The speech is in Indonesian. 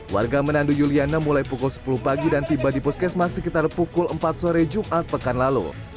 warga menandu yuliana mulai pukul sepuluh pagi dan tiba di puskesmas sekitar pukul empat sore jumat pekan lalu